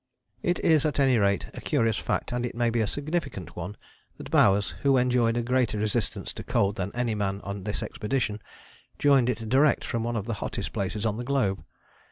It is at any rate a curious fact, and it may be a significant one, that Bowers, who enjoyed a greater resistance to cold than any man on this expedition, joined it direct from one of the hottest places on the globe.